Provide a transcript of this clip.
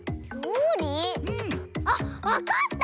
うん。あっわかった！